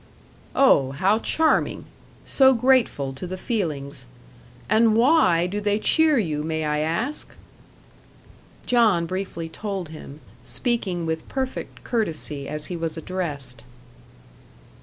"Oh, how charming! so grateful to the feelings. And WHY do they cheer you, may I ask?" John briefly told him, speaking with perfect courtesy as he was addressed.